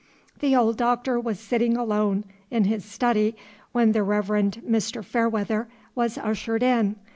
The old Doctor was sitting alone in his study when the Reverend Mr. Fairweather was ushered in.